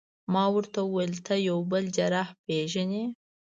ما ورته وویل: ته یو بل جراح پېژنې؟